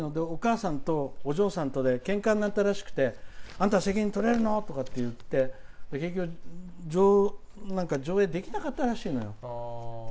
お母さんとお嬢さんとでけんかになったらしくて「あんた責任とれるの？」とか言って結局、上映できなかったらしいのよ。